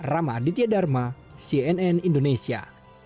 ramaditya dharma cnn indonesia